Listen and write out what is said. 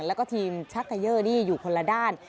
แล้วก็ทีมชักเกยอร์นี่อยู่คนละด้าน